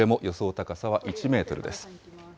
高さは１メートルです。